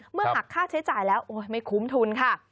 เมื่อหักค่าใช้จ่ายแล้วโอ้โหไม่คุ้มทุนค่ะ